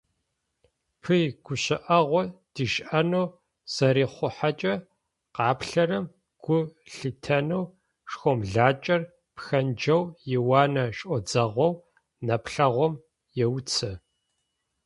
Пый гущыӏэгъу дишӏынэу зырихъухьэкӏэ къаплъэрэм гу лъитэнэу шхомлакӏэр пхэнджэу иуанэ шӏодзагъэу, нэплъэгъум еуцо.